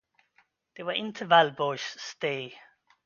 Det var inte Valborgs steg.